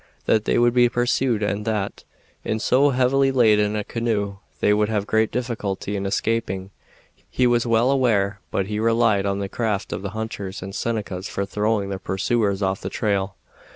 That they would be pursued and that, in so heavily laden a canoe, they would have great difficulty in escaping, he was well aware, but he relied on the craft of the hunters and Senecas for throwing their pursuers off the trail.